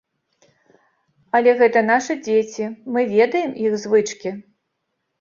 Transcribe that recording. Але гэта нашы дзеці, мы ведаем іх звычкі.